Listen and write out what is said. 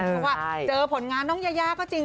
เพราะว่าเจอผลงานน้องยายาก็จริง